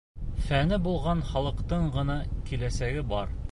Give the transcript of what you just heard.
— Фәне булған халыҡтың ғына киләсәге бар.